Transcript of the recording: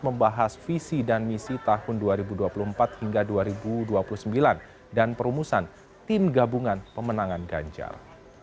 membahas visi dan misi tahun dua ribu dua puluh empat hingga dua ribu dua puluh sembilan dan perumusan tim gabungan pemenangan ganjar